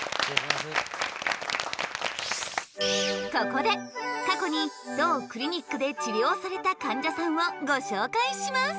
ここで過去に当クリニックで治療されたかんじゃさんをご紹介します。